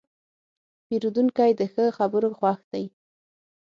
پیرودونکی د ښه خبرو خوښ دی.